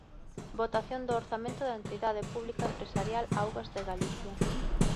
Votación do orzamento da entidade pública empresarial Augas de Galicia.